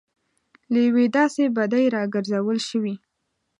له یوې داسې بدۍ راګرځول شوي.